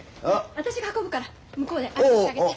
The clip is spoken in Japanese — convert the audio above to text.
私が運ぶから向こうで相手してあげて。